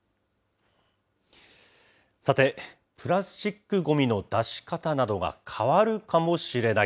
さて、プラスチックごみの出し方などが変わるかもしれない。